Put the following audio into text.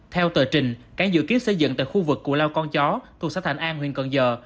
theo tờ trình cảng dự kiến xây dựng tại khu vực cụ lao con chó thuộc xã thành an huyện cần giờ